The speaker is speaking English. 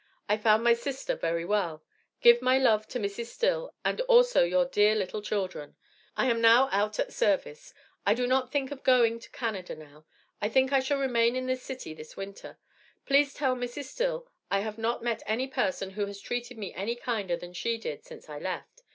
I found my sister very well. Give my love to Mrs. Still and also your dear little children. I am now out at service. I do not think of going to Canada now. I think I shall remain in this city this winter. Please tell Mrs. Still I have not met any person who has treated me any kinder than she did since I left.